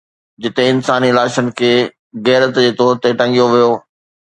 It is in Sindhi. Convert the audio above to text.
جتي انساني لاشن کي عبرت جي طور تي ٽنگيو ويو.